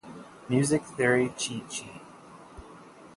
Music Theory Cheat Sheet.